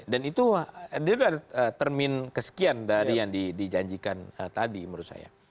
dan itu adalah termin kesekian dari yang dijanjikan tadi menurut saya